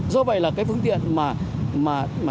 do vậy là cái phương tiện mà